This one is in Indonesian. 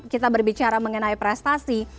kita berbicara mengenai prestasi